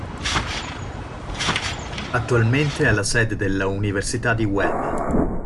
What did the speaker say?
Attualmente è la sede della Università di Huelva.